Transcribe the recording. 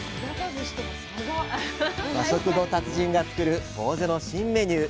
和食の達人が作るぼうぜの新メニュー